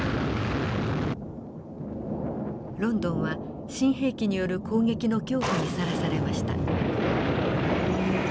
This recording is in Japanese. ロンドンは新兵器による攻撃の恐怖にさらされました。